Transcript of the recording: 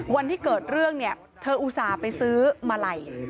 วันที่เกิดเรื่องเนี่ยเธออุตส่าห์ไปซื้อมาลัย